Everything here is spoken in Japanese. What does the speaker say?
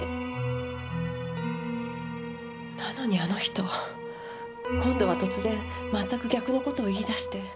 なのにあの人今度は突然全く逆の事を言い出して。